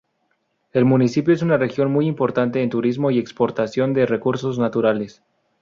El municipio es una región muy importante en turismo y exportación de recursos naturales.